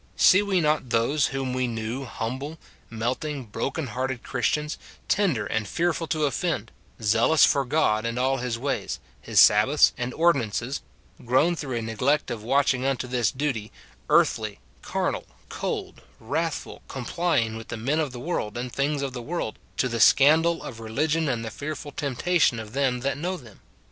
See we not those, whom we knew humble, melting, broken hearted Christians, tender and fearful to offend, zealous for God and all his ways, his Sabbaths and ordinances, grown through a neglect of watching unto this duty, earthly, carnal, cold, wrathful, complying with the men of the world and things of the world, to thc^ scandal of religion and the fearful temptation of them that know them